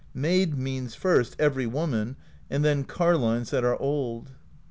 Maid means, first, every woman, and then carlines that are old.